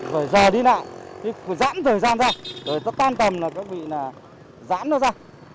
rồi giờ đi nặng rồi giãn thời gian ra rồi tan tầm là các vị giãn nó ra